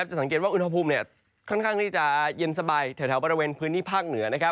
จะสังเกตว่าอุณหภูมิค่อนข้างที่จะเย็นสบายแถวบริเวณพื้นที่ภาคเหนือ